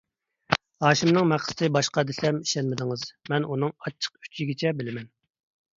ھاشىمنىڭ مەقسىتى باشقا دېسەم ئىشەنمىدىڭىز، مەن ئۇنىڭ ئاچچىق ئۈچىيىگىچە بىلىمەن.